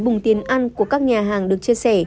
vùng tiền ăn của các nhà hàng được chia sẻ